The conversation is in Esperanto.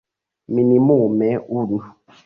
Minimume unu.